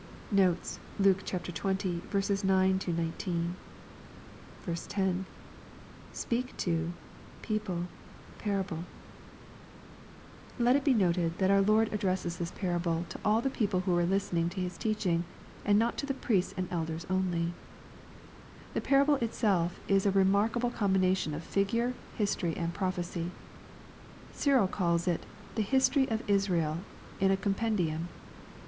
Notes. Luke XX. 9 — 19. 10. — [S^oeak U>,..peaple,..parahle.'l Let it be noted, that our Lord LUKE, CHAP. XX. 829 addresses this parable to all the people who were listeniog to Hia teaching, and not to the priests and elders only. The parable itself is a remarkable combination of figure, history and prophecy. Cyril calls it " the history of Israel in a compen dium."